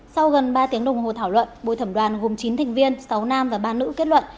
sau gần ba tiếng đồng hồ thảo luận bồi thẩm đoàn gồm chín thành viên sáu nam và ba nữ kết luận